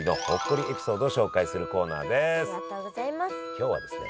今日はですね